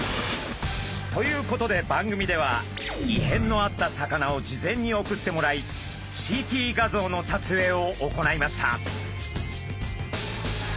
ということで番組では異変のあった魚を事前に送ってもらいＣＴ画像の撮影を行いました。